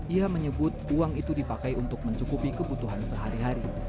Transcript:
ia menyebut uang itu dipakai untuk mencukupi kebutuhan sehari hari